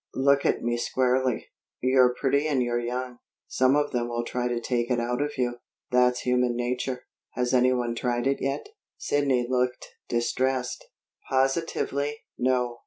"Look at me squarely. You're pretty and you're young. Some of them will try to take it out of you. That's human nature. Has anyone tried it yet?" Sidney looked distressed. "Positively, no.